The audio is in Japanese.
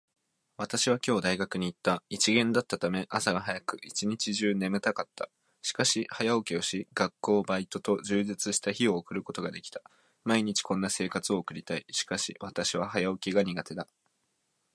私は今日大学に行った。一限だったため、朝が早く、一日中眠たかった。しかし、早起きをし、学校、バイトと充実した日を送ることができた。毎日こんな生活を送りたい。しかし私は早起きが苦手だ。